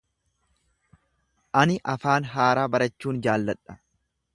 Ani afaan haaraa barachuun jaalladha.